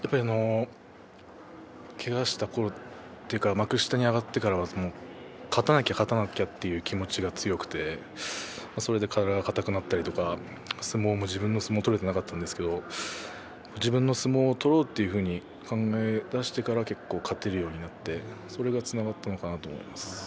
けがしたころというか幕下に上がってからは勝たなきゃ、勝たなきゃという気持ちが強くてそれで体が硬くなったりとか相撲も自分の相撲を取れていなかったんですけど自分の相撲を取ろうと考えだしてからは結構勝てるようになって、それがつながったのかなと思います。